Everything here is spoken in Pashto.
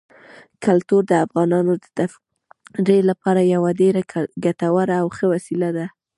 کلتور د افغانانو د تفریح لپاره یوه ډېره ګټوره او ښه وسیله ده.